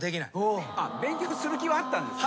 勉強する気はあったんですね。